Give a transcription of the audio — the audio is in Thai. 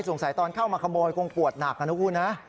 สงสัยตอนเข้ามาขโมยคงปวดหนักอ่ะนะคุณฮะ